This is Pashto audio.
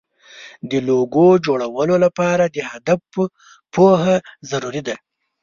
د لوګو جوړولو لپاره د هدف پوهه ضروري ده.